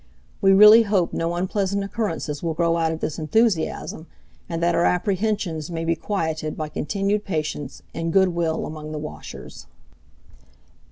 We really hope no unpleasant occurrences will grow out of this enthusiasm, and that our apprehensions may be quieted by continued patience and good will among the washers.